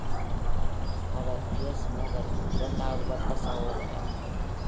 அவர் Piers மோர்கனின் இரண்டாவது வட்ட சகோதரர்.